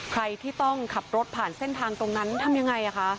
ใครที่ต้องขับรถผ่านเส้นทางตรงนั้นทำยังไงคะ